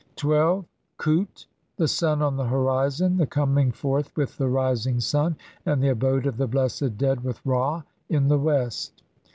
12. cQd khut The sun on the horizon. The coming forth with the rising sun, and the abode of the blessed dead with Ra in the west.